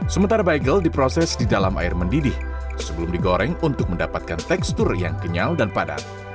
sementara bagel diproses di dalam air mendidih sebelum digoreng untuk mendapatkan tekstur yang kenyal dan padat